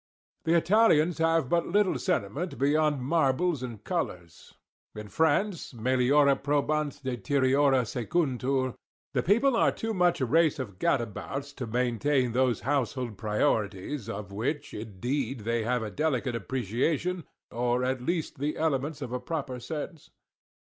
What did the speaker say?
The Italians have but little sentiment beyond marbles and colours. In France, _meliora probant, deteriora _sequuntur—the people are too much a race of gadabouts to maintain those household proprieties of which, indeed, they have a delicate appreciation, or at least the elements of a proper sense.